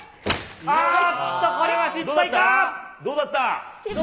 どうだった？